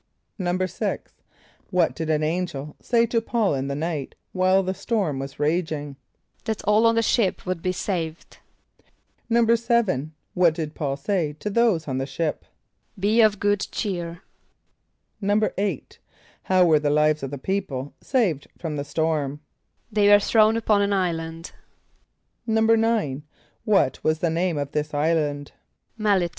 = =6.= What did an angel say to P[a:]ul in the night while the storm was raging? =That all on the ship would be saved.= =7.= What did P[a:]ul say to those on the ship? ="Be of good cheer."= =8.= How were the lives of the people saved from the storm? =They were thrown upon an island.= =9.= What was the name of this island? =M[)e]l´[)i] t[.